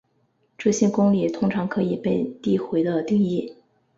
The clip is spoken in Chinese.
这些公理通常可以被递回地定义。